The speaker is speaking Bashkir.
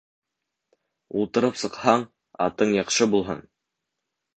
Ултырып сыҡһаң, атың яҡшы булһын.